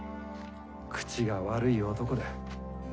口が悪い男で。